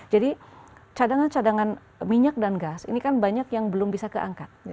jadi cadangan cadangan minyak dan gas ini kan banyak yang belum bisa keangkat